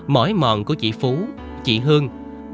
mỏi mòn của chị phú chị hương